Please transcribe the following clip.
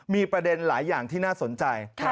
มีประเด็นหลายอย่างที่น่าสนใจ